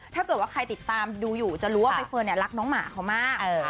ถ้าเกิดว่าใครติดตามดูอยู่จะรู้ว่าใบเฟิร์นรักน้องหมาเขามาก